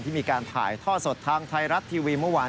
มีการถ่ายท่อสดทางไทยรัฐทีวีเมื่อวาน